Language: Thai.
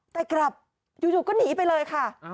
แต่กลับอยู่ก็หนีไปเลยค่ะ